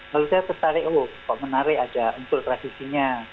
lalu saya tertarik oh kok menarik ada untuk tradisinya